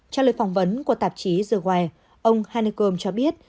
trong lời phỏng vấn của tạp chí the wire ông hanekom cho biết